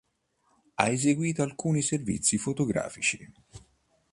Ha eseguito alcuni servizi fotografici.